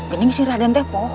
ini si raden tuh